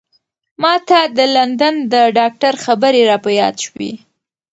ما ته د لندن د ډاکتر خبرې را په یاد شوې.